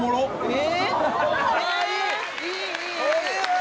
え！